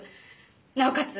なおかつ